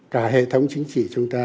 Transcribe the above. cả hệ thống chính trị chúng ta